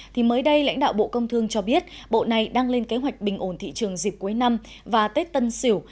thì mới đây lãnh đạo bộ công thương cho biết bộ này đang lên kế hoạch bình ổn thị trường dịp cuối năm và tết tân sỉu